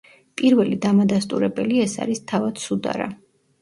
პირველი დამადასტურებელი ეს არის თავად სუდარა.